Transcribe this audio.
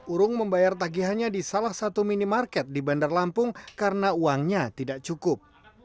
urung membayar tagihannya di salah satu minimarket di bandar lampung karena uangnya tidak cukup